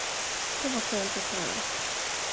Det var skönt att höra.